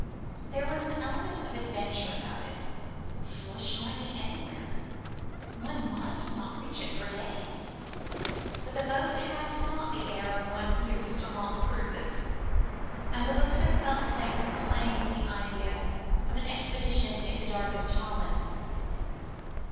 There was an element of adventure about it. "Sloosh" might be anywhere; one might not reach it for days. But the boat had not the air of one used to long cruises; and Elizabeth felt safe in playing with the idea of an expedition into darkest Holland.